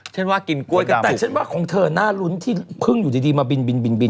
ช่ายว่ากลิ่นกล้วยกันแต่ช่ายว่าของเธอน่ารุ้นที่พรุ่งอยู่ดีมาบิน